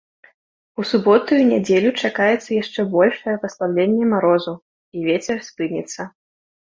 У суботу і нядзелю чакаецца яшчэ большае паслабленне марозу і вецер спыніцца.